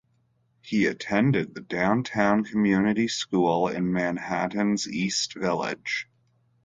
He attended the Downtown Community School in Manhattan's East Village.